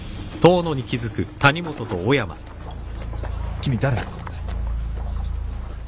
君誰？